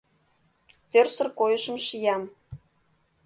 Тӧрсыр койышым шиям.